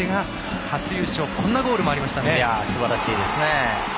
すばらしいです。